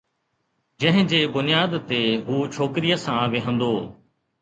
جنهن جي بنياد تي هو ڇوڪريءَ سان ويهندو آهي